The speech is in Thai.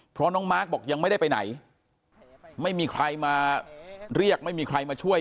เพราะน้องมาร์คบอกยังไม่ได้ไปไหนไม่มีใครมาเรียกไม่มีใครมาช่วย